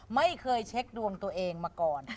ไม่เคยเช็คดวงตัวเองมาก่อน